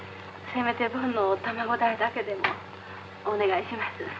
せめて、ぼんの卵代だけでもお願いします。